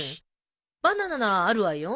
バナナならあるわよ。